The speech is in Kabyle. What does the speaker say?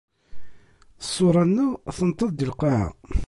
Ṣṣura-nneɣ tenṭeḍ di lqaɛa.